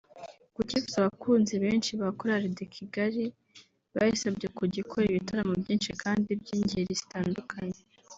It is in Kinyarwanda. Ku cyifuzo abakunzi benshi ba Chorale de Kigali bayisabye kujya ikora ibitaramo byinshi kandi by’ingeri zitandukanye